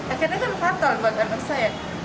akhirnya kan fatal buat anak saya